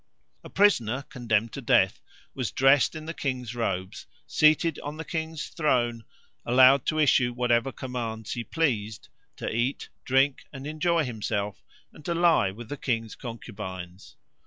A prisoner condemned to death was dressed in the king's robes, seated on the king's throne, allowed to issue whatever commands he pleased, to eat, drink, and enjoy himself, and to lie with the king's concubines.